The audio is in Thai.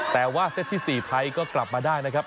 แต่ว่าเซตที่๔ไทยก็กลับมาได้นะครับ